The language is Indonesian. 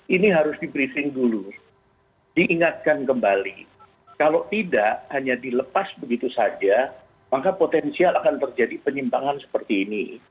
ini harus di briefing dulu diingatkan kembali kalau tidak hanya dilepas begitu saja maka potensial akan terjadi penyimbangan seperti ini